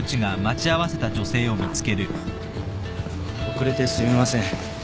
遅れてすみません。